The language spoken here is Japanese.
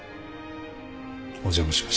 お邪魔しました。